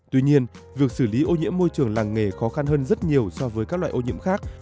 tuy nhiên việc xử lý ô nhiễm môi trường làng nghề khó khăn hơn rất nhiều so với các loại ô nhiễm khác